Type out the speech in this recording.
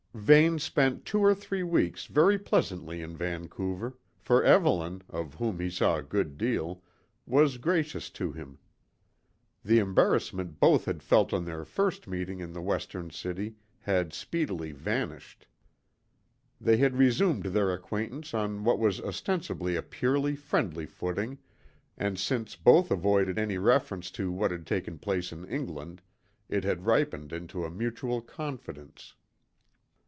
Vane spent two or three weeks very pleasantly in Vancouver, for Evelyn, of whom he saw a good deal, was gracious to him. The embarrassment both had felt on their first meeting in the Western city had speedily vanished; they had resumed their acquaintance on what was ostensibly a purely friendly footing, and, since both avoided any reference to what had taken place in England, it had ripened into a mutual confidence.